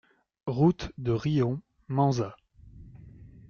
Route de Riom, Manzat